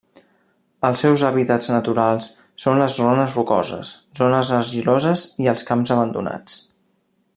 Els seus hàbitats naturals són les zones rocoses, les zones argiloses i els camps abandonats.